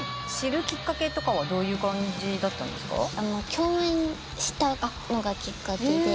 共演したのがきっかけで。